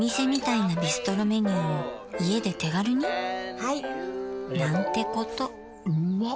はい！なんてことうまっ！